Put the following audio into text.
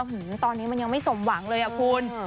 อื้อฮือตอนนี้มันยังไม่สมหวังเลยอ่ะคุณ